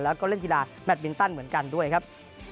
แล้วก็เล่นกีฬาแมทมินตันเหมือนกันด้วยครับ